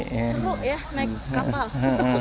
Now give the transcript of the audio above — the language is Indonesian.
seru ya naik kapal